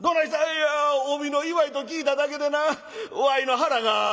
「いや帯の祝いと聞いただけでなわいの腹が大けなった」。